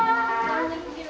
こんにちは。